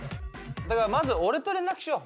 だからまず俺と連絡しよう。